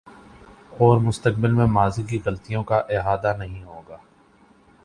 اورمستقبل میں ماضی کی غلطیوں کا اعادہ نہیں ہو گا۔